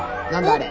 あれ。